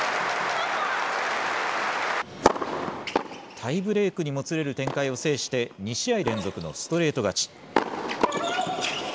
タイブレークにもつれる展開を制して、２試合連続のストレート勝ち。